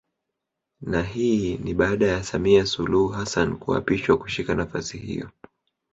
Na hii ni baada ya Samia Suluhu Hassan kuapishwa kushika nafasi hiyo